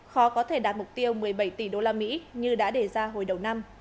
khó có thể đạt mục tiêu một mươi bảy tỷ usd như đã đề ra hồi đầu năm